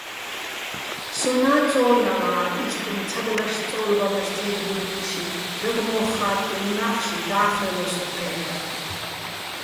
სონა́ წო́ნალარ იშტუჼ ცადლაშ-წო́ლბალაშ თე́გდუჲნი̆ უ̂მში, ჟაგნო́ხ ხა́ტტინო̆ უნა́ხში და́ხრელო სო ჴე́ჰ̦არ.